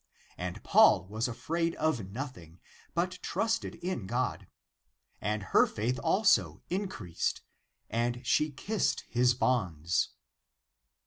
And Paul was afraid of nothing, but trusted in God. And her faith also increased and she kissed his bonds.